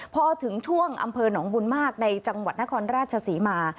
พอถึงช่วงอำเภอหนองบุญมากในจังหวัดนครราชศรีมา